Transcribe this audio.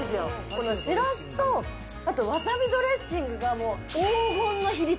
このしらすと、あとわさびドレッシングがもう黄金の比率。